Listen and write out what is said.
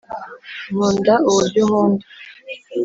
nkunda uburyo unkunda